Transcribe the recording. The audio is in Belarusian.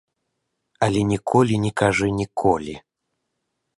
Але ніколі не кажы ніколі.